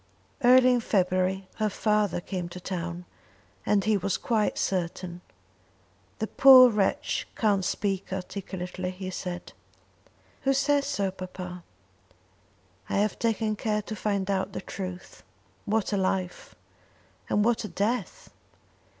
Early in February her father came to town, and he was quite certain. "The poor wretch can't speak articulately," he said. "Who says so, papa?" "I have taken care to find out the truth. What a life! And what a death!